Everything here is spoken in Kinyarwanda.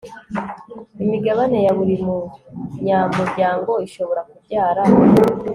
imigabane ya buri munyamuryango ishobora kubyara